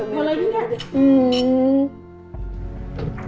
mau lagi gak